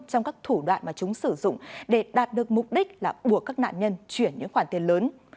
trong các thủ đoạn mà chúng sử dụng để đạt được mục đích là buộc các nạn nhân chuyển những khoản tiền lớn